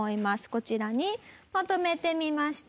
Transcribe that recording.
こちらにまとめてみました。